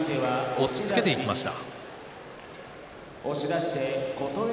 押っつけていきました。